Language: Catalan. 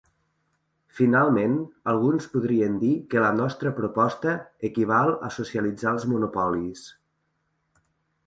Finalment, alguns podrien dir que la nostra proposta equival a socialitzar els monopolis.